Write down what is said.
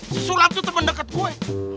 si sulam itu temen deket gue